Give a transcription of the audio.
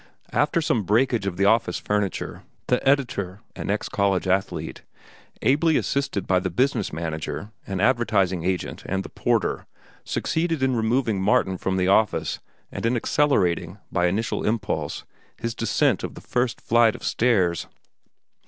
After some breakage of the office furniture, the editor (an ex college athlete), ably assisted by the business manager, an advertising agent, and the porter, succeeded in removing Martin from the office and in accelerating, by initial impulse, his descent of the first flight of stairs.